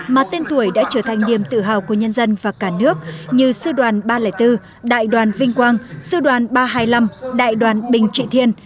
mà tên tuổi đã trở thành niềm tự hào của nhân dân và cả nước như sư đoàn ba trăm linh bốn đại đoàn vinh quang sư đoàn ba trăm hai mươi năm đại đoàn bình trị thiên